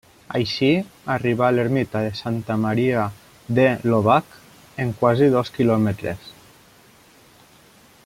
Així, arriba a l'ermita de Santa Maria de l'Obac en quasi dos quilòmetres.